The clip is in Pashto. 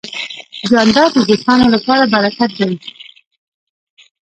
جانداد د دوستانو لپاره برکت دی.